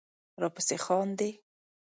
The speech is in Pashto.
راپسې خاندې